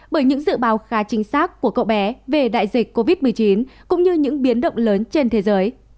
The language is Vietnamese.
bởi những dự báo khá chính xác của cậu bé về đại dịch covid một mươi chín cũng như những biến động lớn trên thế giới